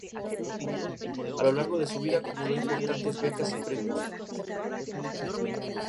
A lo largo de su vida acumuló importantes becas y premios.